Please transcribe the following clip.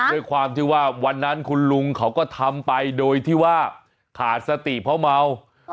ด้วยความที่ว่าวันนั้นคุณลุงเขาก็ทำไปโดยที่ว่าขาดสติเพราะเมา